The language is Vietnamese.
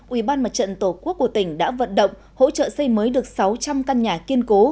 ubnd tổ quốc của tỉnh đã vận động hỗ trợ xây mới được sáu trăm linh căn nhà kiên cố